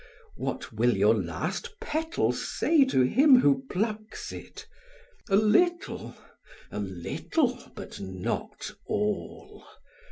What will your last petal say to him who plucks it? A little, a little, but not all.